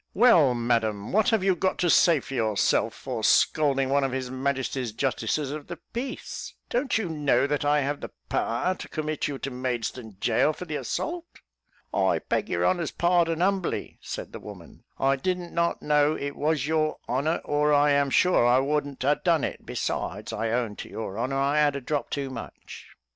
"Well, Madam, what have you got to say for yourself for scalding one of his Majesty's Justices of the Peace? don't you know that I have the power to commit you to Maidstone gaol for the assault?" "I beg your honour's pardon, humbly," said the woman; "I did not know it was your honour, or I am sure I wouldn't a done it; besides, I own to your honour, I had a drop too much."